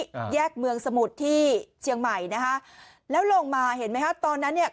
อ่าแยกเมืองสมุทรที่เชียงใหม่นะฮะแล้วลงมาเห็นไหมฮะตอนนั้นเนี่ย